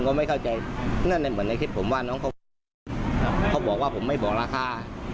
ก็ไม่เข้าใจนั่นเหมือนในคลิปผมว่าน้องเขาบอกว่าผมไม่บอกราคา